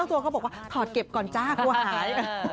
ตัวเขาบอกว่าถอดเก็บก่อนจ้ากลัวหาย